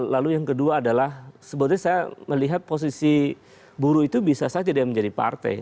lalu yang kedua adalah sebetulnya saya melihat posisi buruh itu bisa saja dia menjadi partai